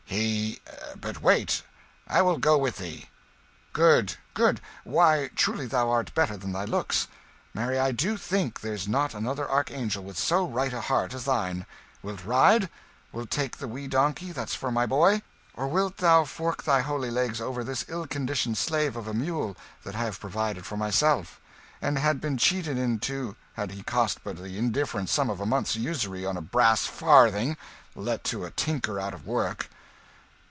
"He but wait; I will go with thee." "Good good! Why, truly thou art better than thy looks. Marry I do not think there's not another archangel with so right a heart as thine. Wilt ride? Wilt take the wee donkey that's for my boy, or wilt thou fork thy holy legs over this ill conditioned slave of a mule that I have provided for myself? and had been cheated in too, had he cost but the indifferent sum of a month's usury on a brass farthing let to a tinker out of work."